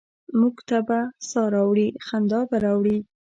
موږ ته به سا ه راوړي، خندا به راوړي؟